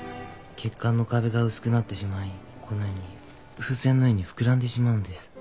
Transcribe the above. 血管の壁が薄くなってしまいこのように風船のように膨らんでしまうんです。